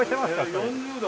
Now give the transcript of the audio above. ４０度。